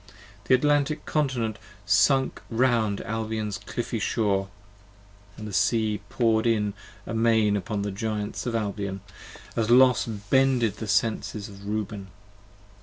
The Atlantic Continent sunk round Albion's cliffy shore, And the Sea poured in amain upon the Giants of Albion, 40 As Los bended the Senses of Reuben.